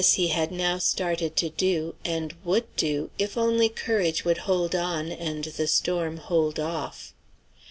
This he had now started to do, and would do, if only courage would hold on and the storm hold off.